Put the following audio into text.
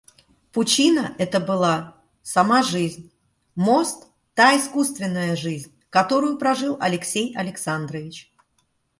Пучина эта была — сама жизнь, мост — та искусственная жизнь, которую прожил Алексей Александрович.